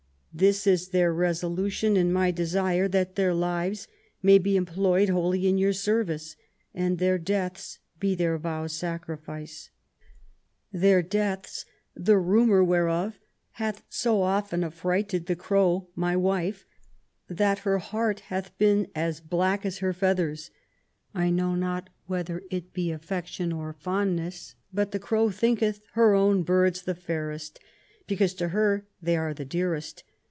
This is their resolution and my desire, that their lives may be employed wholly in your service, and their deaths be their vow*s sacrifice — their deaths, the rumour whereof hath so often affrighted the Crow my wife, that her heart hath been as black as her feathers. I know not whether it be affection or fondness, but the Crow thinketh her own birds the fairest, because to her they are the dearest.